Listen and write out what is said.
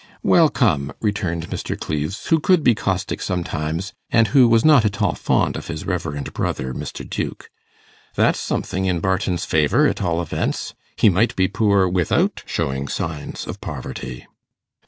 'Well, come,' returned Mr. Cleves, who could be caustic sometimes, and who was not at all fond of his reverend brother, Mr. Duke, 'that's something in Barton's favour at all events. He might be poor without showing signs of poverty.